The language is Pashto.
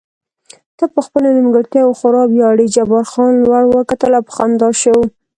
ته په خپلو نیمګړتیاوو خورا ویاړې، جبار خان لوړ وکتل او په خندا شو.